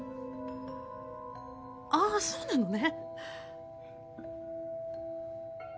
ああそうなのね。